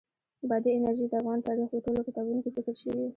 بادي انرژي د افغان تاریخ په ټولو کتابونو کې ذکر شوې.